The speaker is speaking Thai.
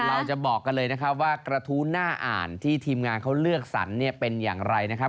เราจะบอกกันเลยนะครับว่ากระทู้หน้าอ่านที่ทีมงานเขาเลือกสรรเนี่ยเป็นอย่างไรนะครับ